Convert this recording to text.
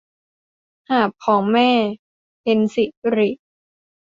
หาบของแม่ - เพ็ญศิริ